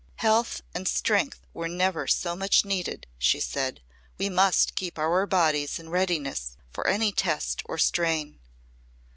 "Health and strength were never so much needed," she said. "We must keep our bodies in readiness for any test or strain."